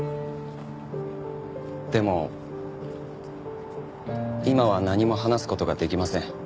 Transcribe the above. でも今は何も話す事ができません。